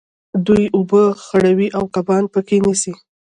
دوی اوبه خړوي او کبان په کې نیسي.